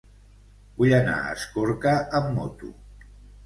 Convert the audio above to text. Vull anar a Escorca amb moto.